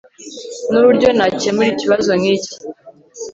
Nuburyo nakemura ikibazo nkiki